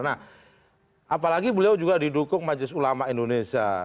nah apalagi beliau juga didukung majlis ulama indonesia